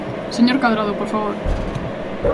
¡Señor Cadrado, por favor!